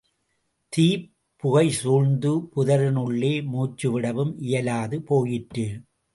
தீப் புகை சூழ்ந்து புதரினுள்ளே மூச்சுவிடவும் இயலாது போயிற்று.